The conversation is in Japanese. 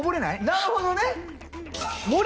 なるほどね！